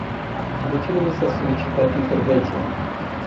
De ce nu mi s-a solicitat intervenția?